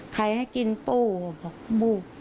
ใครให้กินปู่เขาบอกปู่